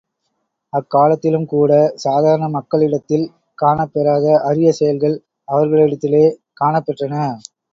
அக்காலத்திலும் கூட, சாதாரண மக்களிடத்தில் காணப் பெறாத அரிய செயல்கள், அவர்களிடத்திலே காணப் பெற்றன.